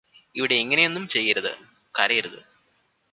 ഇവിടെ ഇങ്ങനെയൊന്നും ചെയ്യരുത് കരയരുത്